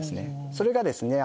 それがですね。